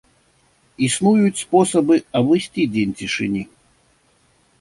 Існуюць спосабы абысці дзень цішыні.